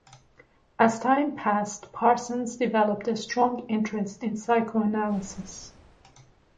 As time passed, Parsons developed a strong interest in psychoanalysis.